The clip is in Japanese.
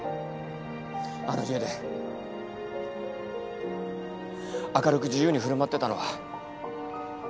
あの家で明るく自由に振る舞ってたのは。